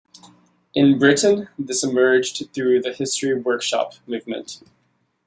In Britain, this emerged through the History Workshop Movement.